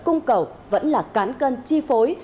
cung cầu vẫn là cán cân chi phối